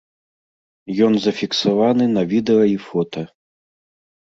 Ён зафіксаваны на відэа і фота.